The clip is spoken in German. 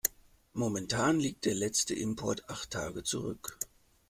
Momentan liegt der letzte Import acht Tage zurück.